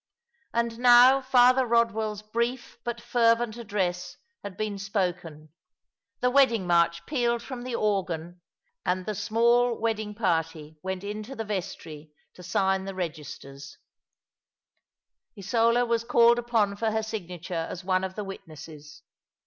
And now Father Eod well's brief, but fervent, address had been spoken, the Wedding March pealed from the organ, end the small wedding party went into the vestry to sign the registers. Isola was called upon for her signature as one of the witnesses.